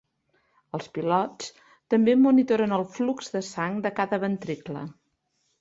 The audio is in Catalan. Els pilots també monitoren el flux de sang de cada ventricle.